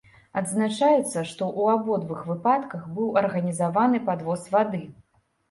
Адзначаецца, што ў абодвух выпадках быў арганізаваны падвоз вады.